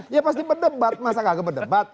ya pasti berdebat masa kagak berdebat